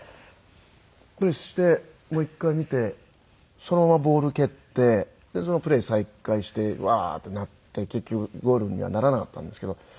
プレースしてもう一回見てそのままボール蹴ってそのままプレー再開してワーッてなって結局ゴールにはならなかったんですけど。